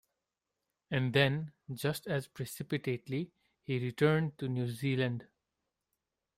And then, just as precipitately, he returned to New Zealand.